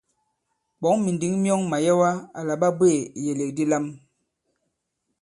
Ɓɔ̌ŋ mìndǐŋ myɔŋ màyɛwa àla ɓa bweè ìyèlèk di lam.